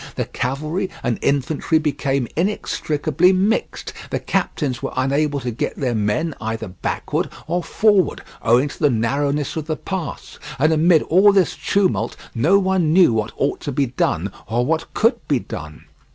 The cavalry and infantry became inextricably mixed: the captains were unable to get their men either backward or forward, owing to the narrowness of the pass, and amid all this tumult no one knew what ought to be done or what could be done.